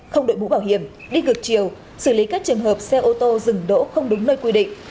không đội mũ bảo hiểm đi ngược chiều xử lý các trường hợp xe ô tô dừng đỗ không đúng nơi quy định